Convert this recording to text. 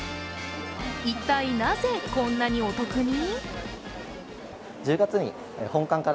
一体なぜ、こんなにお得に？